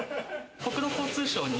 国土交通省に。